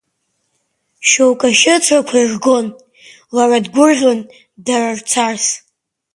Шьоук ашьыцрақәа иргон, лара дгәырӷьон дара рцас.